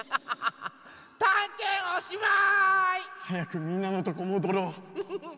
はやくみんなのとこもどろう。